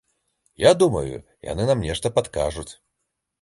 Я думаю, яны нам нешта падкажуць.